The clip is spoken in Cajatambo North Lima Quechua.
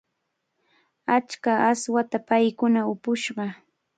Achka aswata paykuna upushqa.